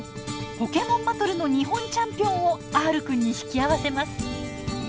ポケモンバトルの日本チャンピオンをＲくんに引き合わせます。